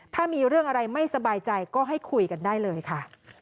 ถ้ามีเรื่องอะไรไม่สบายใจก็ให้คุยกันได้เลยค่ะ